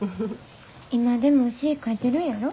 今でも詩ぃ書いてるんやろ？